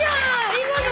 今の。